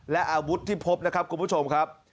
และอาวุธที่พบนะครับคุณผู้ชมครับ